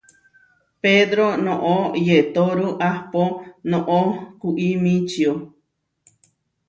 Pedró noʼó yetóru ahpó noʼó kuimičio.